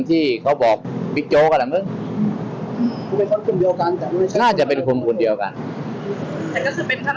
แต่ก็คือเป็นท่านราชการกำรวจนี่แหละ